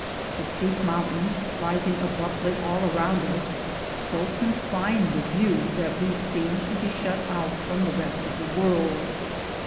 The steep mountains, rising abruptly all round us, so confined the view that we seemed to be shut out from the rest of the world.